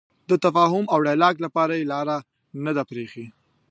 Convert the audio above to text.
د تفاهم او ډیالوګ لپاره یې لاره نه ده پرېښې.